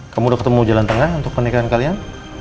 kamu udah ketemu jalan tengah untuk pernikahan kalian